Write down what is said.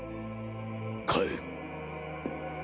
帰る。